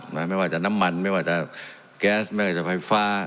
ไม่ว่าจะน้ำมันไม่ว่าจะแก๊สไม่ว่าจะไฟฟ้า